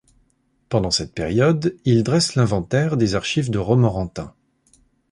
Pendant cette période, il dresse l'inventaire des archives de Romorantin.